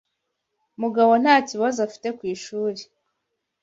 Mugabo nta kibazo afite ku ishuri.